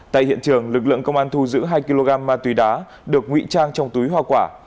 tại hiện trường lực lượng công an thu giữ hai kg ma túy đá được nguy trang trong túi hoa quả